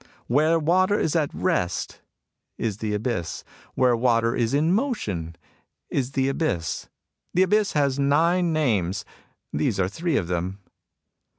Where water is at rest, — is the abyss. Where water is in motion, — is the abyss. The abyss has nine names. These are three of them."